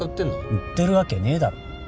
売ってるわけねえだろ。